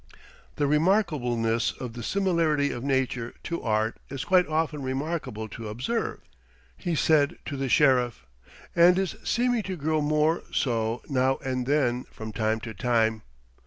"The remarkableness of the similarity of nature to art is quite often remarkable to observe," he said to the Sheriff, "and is seeming to grow more so now and then from time to time.